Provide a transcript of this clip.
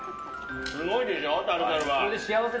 すごいでしょ、タルタルは。